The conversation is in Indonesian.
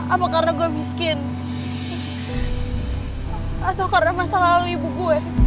apa karena gue miskin atau karena masa lalu ibu gue